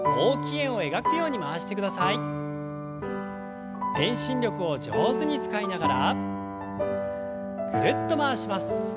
遠心力を上手に使いながらぐるっと回します。